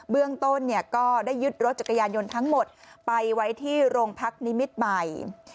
เบื้องต้นก็ได้ยึดรถจักรยานยนต์ทั้งหมดไปไว้ที่โรงพักนิมิตรใหม่